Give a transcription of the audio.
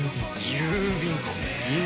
郵便か。